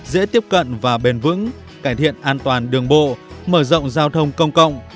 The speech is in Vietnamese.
dễ tiếp cận và bền vững cải thiện an toàn đường bộ mở rộng giao thông công cộng